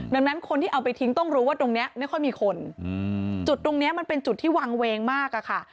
ดังนั้นคนที่เอาไปทิ้งต้องรู้ว่าตรงนี้ไม่ค่อยมีคนจุดตรงนี้มันเป็นจุดที่วางเวงมากอะค่ะ